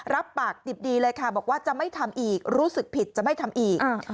รับปากดิบดีเลยค่ะบอกว่าจะไม่ทำอีกรู้สึกผิดจะไม่ทำอีก